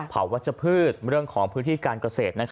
วัชพืชเรื่องของพื้นที่การเกษตร